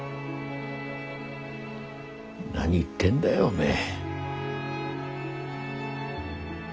何言ってんだよおめえ。